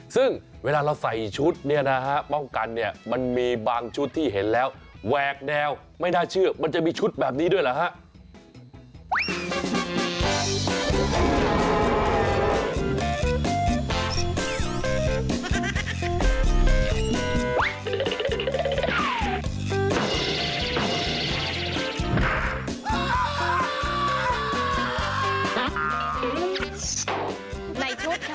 ซึ่งเวลาเราใส่ชุดเนี่ยนะฮะป้องกันเนี่ยมันมีบางชุดที่เห็นแล้วแหวกแนวไม่น่าเชื่อมันจะมีชุดแบบนี้ด้วยเหรอฮะ